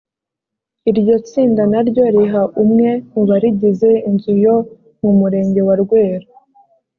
iryo tsinda na ryo riha umwe mu barigize inzu yo mu murenge wa rweru